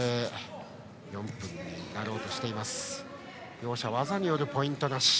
両者、技によるポイントなし。